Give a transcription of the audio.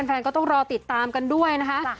แฟนก็ต้องรอติดตามกันด้วยนะคะ